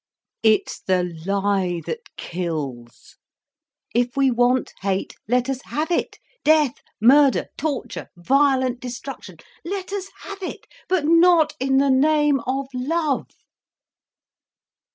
It's the lie that kills. If we want hate, let us have it—death, murder, torture, violent destruction—let us have it: but not in the name of love.